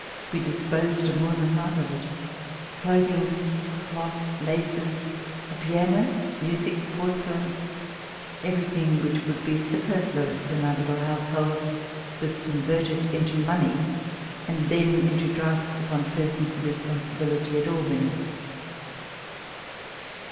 We disposed of more than half of it; clothing, cloth, laces, a piano, music, porcelains — everything which would be superfluous in our little household was converted into money and then into drafts upon persons of responsibility at Albany.